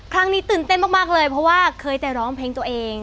ครั้งนี้ตื่นเต้นมากเลยเพราะว่าเคยแต่ร้องเพลงตัวเอง